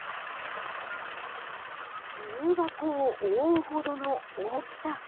重箱を覆うほどの大きさ。